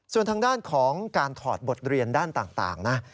ส่วนทางด้านของการถอดบทเรียนด้านต่างนะ